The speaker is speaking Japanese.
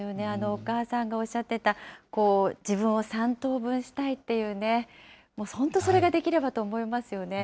お母さんがおっしゃってた、自分を３等分したいってね、本当それができればと思いますよね。